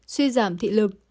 suy giảm thị lực